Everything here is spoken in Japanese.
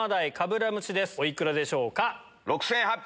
お幾らでしょうか？